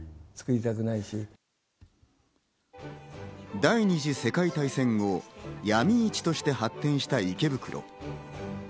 第二次世界大戦後、ヤミ市として発展してきた池袋。